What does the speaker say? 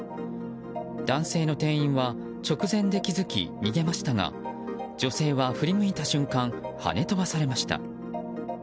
男性の店員は直前で気づき逃げましたが女性は振り向いた瞬間はね飛ばされました。